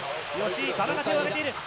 馬場が手を挙げている。